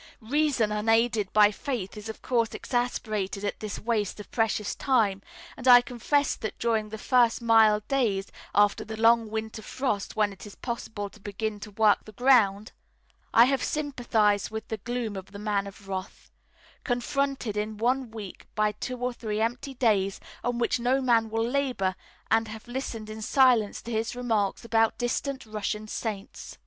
Reason unaided by Faith is of course exasperated at this waste of precious time, and I confess that during the first mild days after the long winter frost when it is possible to begin to work the ground, I have sympathised with the gloom of the Man of Wrath, confronted in one week by two or three empty days on which no man will labour, and have listened in silence to his remarks about distant Russian saints.